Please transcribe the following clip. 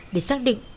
để xác định